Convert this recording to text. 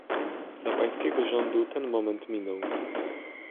Dla pańskiego rządu ten moment minął